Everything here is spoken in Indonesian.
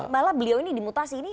malah beliau ini dimutasi ini